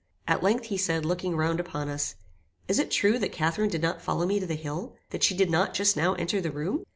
At length, he said, looking round upon us, "Is it true that Catharine did not follow me to the hill? That she did not just now enter the room?"